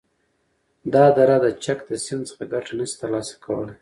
دا دره د چک د سیند څخه گټه نشی تر لاسه کولای،